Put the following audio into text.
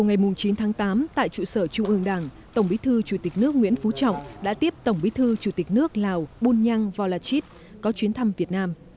ngoại trưởng nguyễn phú trọng tổng bí thư chủ tịch nước lào bun nhang volachit có chuyến thăm việt nam